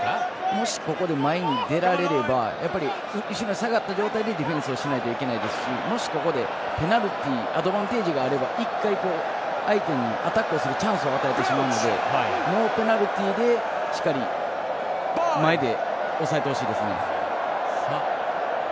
もしここで前に出られればやっぱり、後ろに下がった状態でディフェンスをしなければいけないですしもし、ここでペナルティアドバンテージがあれば一回、相手にアタックをするチャンスを与えてしまうのでノーペナルティでしっかり前で押さえてほしいです。